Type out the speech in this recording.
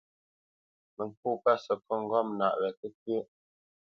Mə ŋkô pə̂ səkôt ŋgɔ̂mnaʼ wɛ kə́kʉə́ʼ.